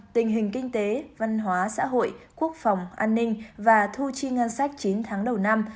tình hình kinh tế văn hóa xã hội quốc phòng an ninh và thu chi ngân sách chín tháng đầu năm